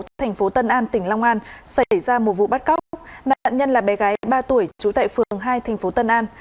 thành phố tân an tỉnh long an xảy ra một vụ bắt cóc nạn nhân là bé gái ba tuổi trú tại phường hai thành phố tân an